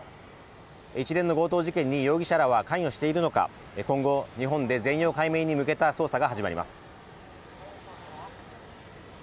一連の強盗事件に容疑者らは関与しているのか今後、日本で全容解明に向けた捜査が始まります。